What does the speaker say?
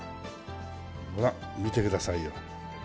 ほら見てくださいよ。